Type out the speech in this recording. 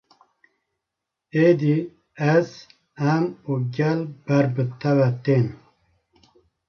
Êdî ez, em û gel ber bi te ve tên